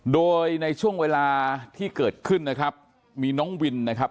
โดยในช่วงเวลาที่เกิดขึ้นนะครับมีน้องวินนะครับ